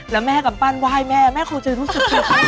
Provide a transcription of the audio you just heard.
แล้วแม่กำปั้นว่ายแม่แม่ควรจะรู้สึกเชิญมากอ่ะ